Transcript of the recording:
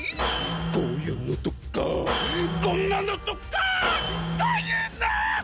こういうのとかこんなのとかぁこういうの？